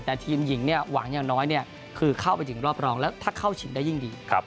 แต่ทีมหญิงเนี่ยหวังอย่างน้อยคือเข้าไปถึงรอบรองแล้วถ้าเข้าชิงได้ยิ่งดี